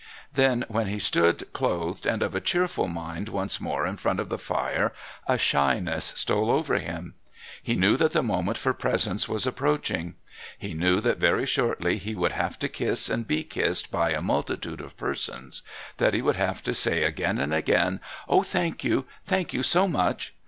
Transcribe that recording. Then when he stood clothed and of a cheerful mind once more in front of the fire a shyness stole over him. He knew that the moment for Presents was approaching; he knew that very shortly he would have to kiss and be kissed by a multitude of persons, that he would have to say again and again, "Oh, thank you, thank you so much!"